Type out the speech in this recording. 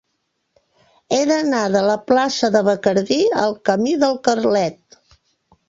He d'anar de la plaça de Bacardí al camí del Carlet.